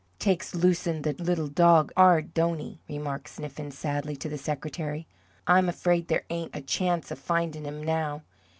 "Takes losin' the little dog 'ard, don't he?" remarked Sniffen, sadly, to the secretary. "I'm afraid there ain't a chance of findin' 'im now.